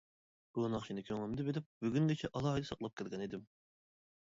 بۇ ناخشىنى كۆڭلۈمدە بىلىپ بۈگۈنگىچە ئالاھىدە ساقلاپ كەلگەن ئىدىم.